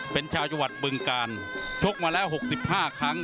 เป็นชาวจังหวัดบึงกาลชกมาแล้ว๖๕ครั้ง